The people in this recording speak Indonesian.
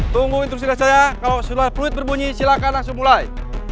tunggu instruksi dari saya kalau sudah fluid berbunyi silakan langsung mulai